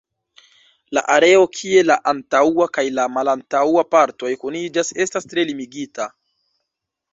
La areo kie la antaŭa kaj la malantaŭa partoj kuniĝas estas tre limigita.